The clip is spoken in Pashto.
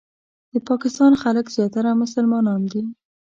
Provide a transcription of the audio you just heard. د پاکستان خلک زیاتره مسلمانان دي.